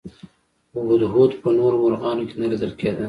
خو هدهد په نورو مرغانو کې نه لیدل کېده.